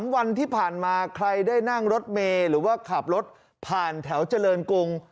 วันที่ผ่านมาใครได้นั่งรถเมย์หรือว่าขับรถผ่านแถวเจริญกรุง